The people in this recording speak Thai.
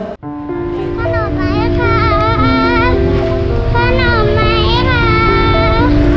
ขนมไหมครับ